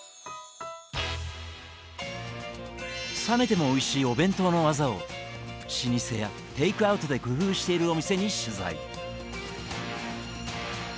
冷めてもおいしいお弁当のワザを老舗やテイクアウトで工夫しているお店に取材。